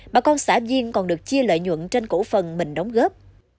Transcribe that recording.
bà con xã viên còn được chia lợi nhuận trên cổ phần mình đóng góp